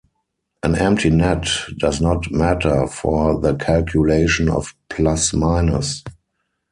An empty net does not matter for the calculation of plus-minus.